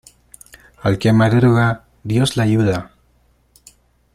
Al que madruga Dios le ayuda.